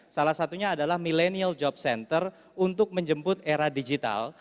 salah satunya adalah millennial job center untuk menjemput era digital